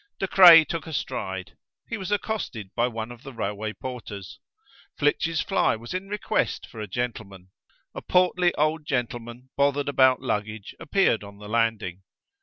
De Craye took a stride. He was accosted by one of the railway porters. Flitch's fly was in request for a gentleman. A portly old gentleman bothered about luggage appeared on the landing.